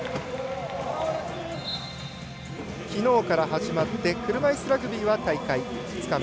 きのうから始まって車いすラグビーは大会２日目。